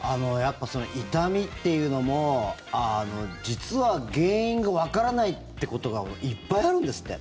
痛みっていうのも実は原因がわからないってことがいっぱいあるんですって。